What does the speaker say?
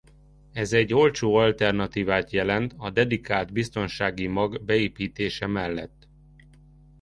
Ez egy olcsó alternatívát jelent a dedikált biztonsági mag beépítése mellett.